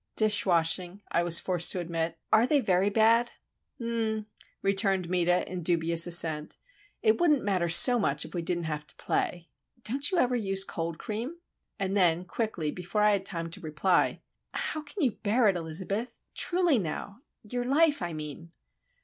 "Dish washing," I was forced to admit. "Are they very bad?" "H'm'm," returned Meta, in dubious assent. "It wouldn't matter so much if we didn't have to play. Don't you ever use cold cream?" And then, quickly, before I had time to reply,— "How can you bear it, Elizabeth?—truly, now,—your life, I mean?"